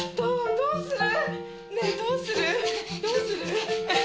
どうする？